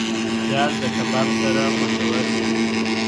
پیاز د کباب سره خوندور وي